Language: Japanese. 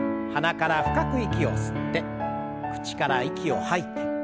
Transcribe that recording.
鼻から深く息を吸って口から息を吐いて。